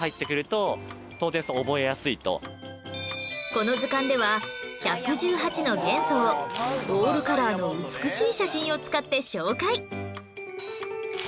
この図鑑では１１８の元素をオールカラーの美しい写真を使って紹介